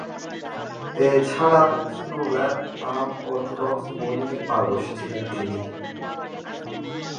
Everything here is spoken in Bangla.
এছাড়াও, স্লো লেফট-আর্ম অর্থোডক্স বোলিংয়ে পারদর্শী ছিলেন তিনি।